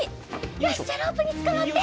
よしじゃあロープにつかまって。